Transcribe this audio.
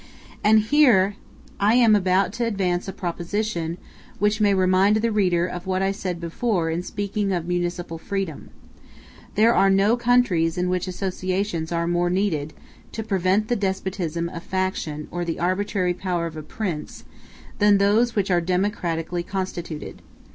And here I am about to advance a proposition which may remind the reader of what I said before in speaking of municipal freedom: There are no countries in which associations are more needed, to prevent the despotism of faction or the arbitrary power of a prince, than those which are democratically constituted.